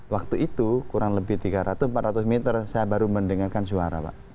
waktu itu kurang lebih tiga ratus empat ratus meter saya baru mendengarkan suara pak